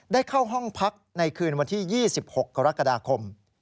ได้เข้าห้องพักในคืนวันที่๒๖กรกฎาคม